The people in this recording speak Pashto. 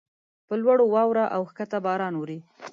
پر لوړو واوره اوکښته باران اوري.